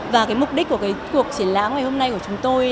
và cái mục đích của cái cuộc triển lãm ngày hôm nay của chúng tôi